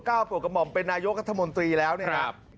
กลต์ก็อดกำมันไปนายท์ก็ธมดรีแล้วเนี้ยครับครับ